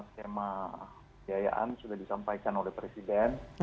skema biayaan sudah disampaikan oleh presiden